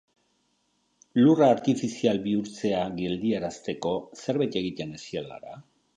Lurra artifizial bihurtzea geldiarazteko zerbait egiten hasi al gara?